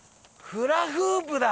フラフープだ！